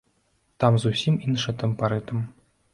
Там зусім іншы тэмпарытм.